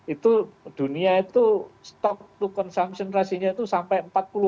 itu dunia itu stok to consumption ratio nya itu sampai empat puluh